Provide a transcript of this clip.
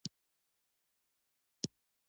سوډاني متل وایي هیله او امید سندرې ویلو ته پیدا کوي.